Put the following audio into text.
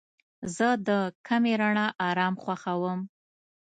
زه د کمې رڼا آرام خوښوم.